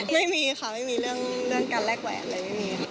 ไม่มีค่ะไม่มีเรื่องการแลกแหวนอะไรไม่มีค่ะ